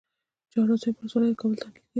چهار اسیاب ولسوالۍ کابل ته نږدې ده؟